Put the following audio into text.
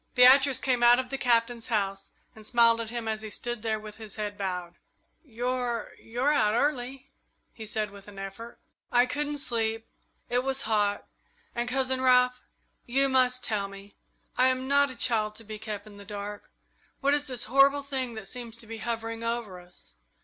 Beatrice came out of the Captain's house and smiled at him as he stood there with his head bowed. "You're you're out early," he said, with an effort. "I couldn't sleep. It was hot, and Cousin Ralph, you must tell me. I am not a child, to be kept in the dark. What is this horrible thing that seems to be hovering over us?